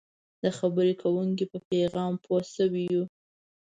د خبرې کوونکي په پیغام پوه شوي یو.